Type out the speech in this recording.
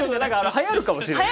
はやるかもしれない。